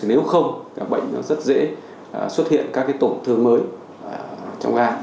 nếu không bệnh nó rất dễ xuất hiện các cái tổn thương mới trong gan